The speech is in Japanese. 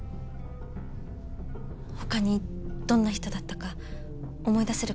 他にどんな人だったか思い出せる事はあるかな？